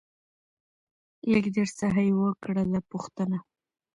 له ګیدړ څخه یې وکړله پوښتنه